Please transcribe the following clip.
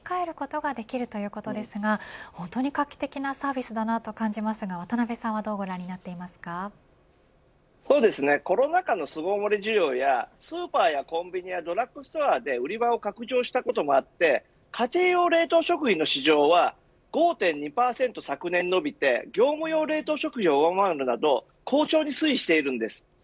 さまざまなグルメを冷凍して持ち帰ることができるということですが本当に画期的なサービスだと感じますがそうですねコロナ禍の巣ごもり需要やスーパーやコンビニやドラッグストアで売り場を拡充をしたこともあって家庭用冷凍食品の市場は５．２％昨年伸びて業務用冷凍食品を上回るなど好調に推移しています。